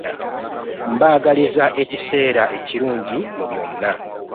Mbaagaliza ekiseera ekirungi mu byonna.